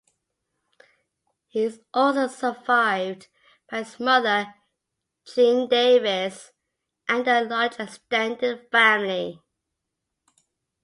He is also survived by his mother, Jean Davis, and a large extended family.